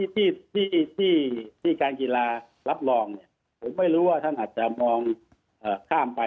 ที่การกีฬารับรองผมไม่รู้ว่าท่านอาจจะมองข้ามไป